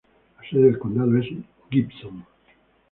La sede del condado es Gibson.